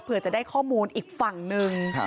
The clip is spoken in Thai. เพื่อจะได้ข้อมูลอีกฝั่งหนึ่ง